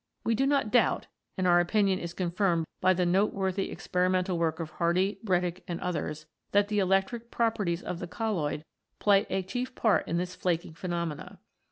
We do not doubt, and our opinion is confirmed by the noteworthy experimental work of Hardy, Bredig, and others, that the electric properties of the colloid play the chief part in this flaking phenomenon.